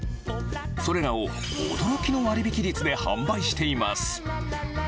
それらを驚きの割引率で販売しています。